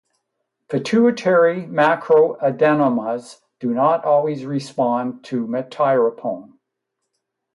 Pituitary macroadenomas do not always respond to metyrapone.